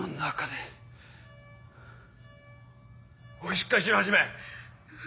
しっかりしろ始！